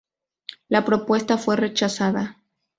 La propuesta fue rechazada.